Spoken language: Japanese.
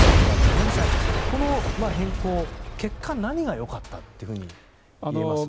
野口さん、この変更結果、何がよかったといえますか？